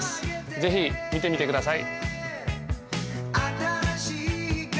ぜひ見てみてください。